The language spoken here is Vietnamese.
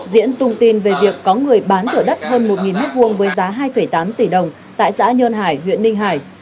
diễn tung tin về việc có người bán thửa đất hơn một m hai với giá hai tám tỷ đồng tại xã nhơn hải huyện ninh hải